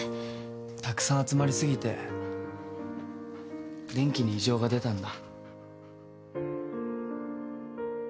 たくさん集まり過ぎて電気に異常が出たんだ。